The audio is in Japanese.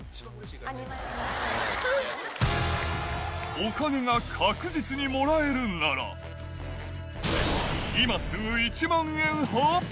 お金が確実にもらえるなら、今すぐ１万円派？